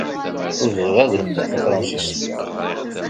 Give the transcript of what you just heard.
Ur bɣiɣ ara ad lemdeɣ tafṛansist.